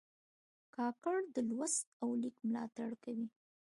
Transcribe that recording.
کاکړ د لوست او لیک ملاتړ کوي.